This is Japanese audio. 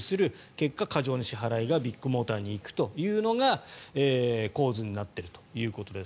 結果、過剰な支払いがビッグモーターに行くというのが構図になっているということです。